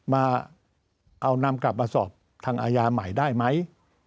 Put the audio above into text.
มาเอานำกลับมาสอบทางอาญาใหม่ได้ไหม